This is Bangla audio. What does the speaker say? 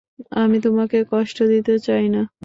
আমি তোমাকে কষ্ট দিতে চাই না।